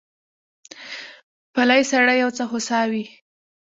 پلی سړی یو څه هوسا وي.